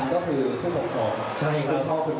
ไม่ต้องเรียบไม่ต้องเปรียบเทียบกับคนอื่น